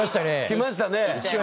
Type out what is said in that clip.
来ましたね。